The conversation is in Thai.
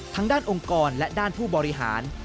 ทั้งด้านองค์กรและด้านผู้บริหาร